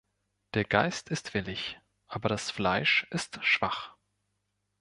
Der Geist ist willig, aber das Fleisch ist schwach.